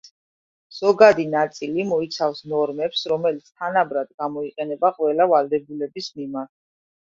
ზოგადი ნაწილი მოიცავს ნორმებს, რომლებიც თანაბრად გამოიყენება ყველა ვალდებულების მიმართ.